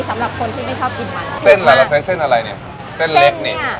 สำหรับคนที่ไม่ชอบกินมันเส้นอะไรกับเส้นเส้นอะไรเนี่ยเส้นเล็กนี่